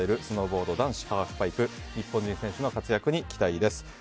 スノーボード男子ハーフパイプ日本人選手の活躍に期待です。